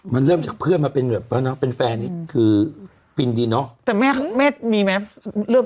มันเริ่มจากเพื่อนมาเป็นแฟนแห่งเยี่ยมใช่ไหม